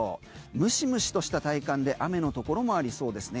ムシムシとした体感で雨のところもありそうですね。